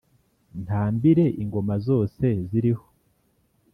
ntambire ingoma zose ziriho